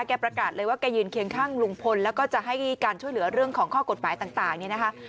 ประกาศเลยว่าแกยืนเคียงข้างลุงพลแล้วก็จะให้การช่วยเหลือเรื่องของข้อกฎหมายต่างเนี่ยนะคะ